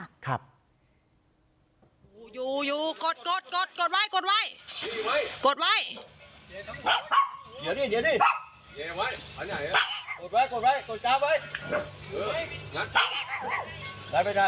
คุณผู้ชมอยู่กดไว้